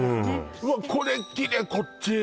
うわっこれきれいこっち